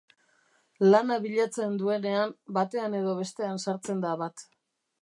Lana bilatzen duenean, batean edo bestean sartzen da bat.